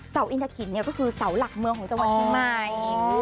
อินทะขินก็คือเสาหลักเมืองของจังหวัดเชียงใหม่